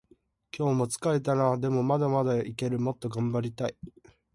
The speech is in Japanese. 今日も疲れたな。でもまだまだいける。もっと頑張りたい。